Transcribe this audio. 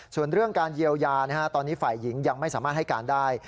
ส่วนเรื่องการเยียวยาฝ่ายหญิงตอนนี้ยังไม่สามารถให้การได้